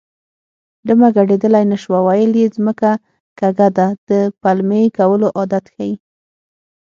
ډمه ګډېدلی نه شوه ویل یې ځمکه کږه ده د پلمې کولو عادت ښيي